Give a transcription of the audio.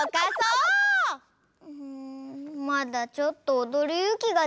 うんまだちょっとおどるゆうきがでないかも。